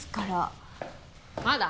まだ？